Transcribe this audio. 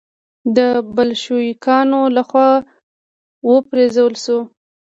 د بلشویکانو له خوا و پرځول شو.